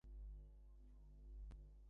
না, প্রতিটি স্তরে।